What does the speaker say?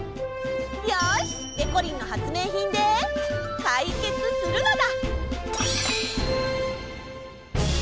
よし！でこりんの発明品でかいけつするのだ！